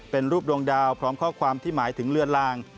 เป็นรูปดวงดาวพร้อมข้อความที่หมายถึงเลือนลาง